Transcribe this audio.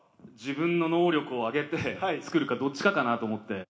自分の能力を上げて作るか、どっちかかなと思って。